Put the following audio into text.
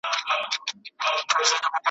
او کله چې اړتیا پوره شي